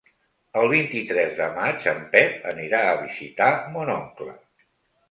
El vint-i-tres de maig en Pep anirà a visitar mon oncle.